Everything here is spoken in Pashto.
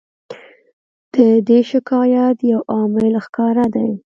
د دې شکایت یو عامل ښکاره دی.